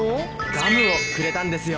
ガムをくれたんですよ。